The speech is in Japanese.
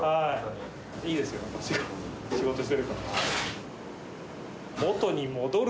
いいですよ、仕事してる感がある。